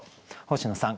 星野さん